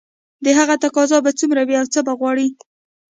د هغه تقاضا به څومره وي او څه به غواړي